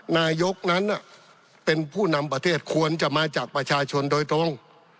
นายกนั้นเป็นผู้นำประเทศควรจะมาจากประชาชนโดยตรง